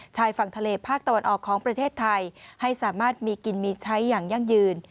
ชายฝั่งทะเลภาคตะวันออกของประเทศไทยให้สามารถมีกินมีใช้อย่างยั่งยืน